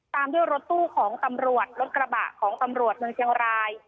ตามด้วยรถตู้ของตำรวจรถกระบะของตำรวจเมืองเชียงราย